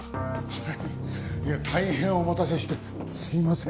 大変お待たせしてすいません。